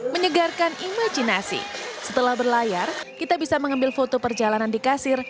menyegarkan imajinasi setelah berlayar kita bisa mengambil foto perjalanan di kasir